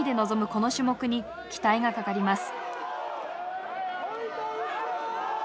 この種目に期待がかかります。